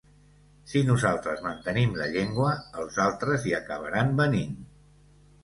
Si nosaltres mantenim la llengua, els altres hi acabaran venint.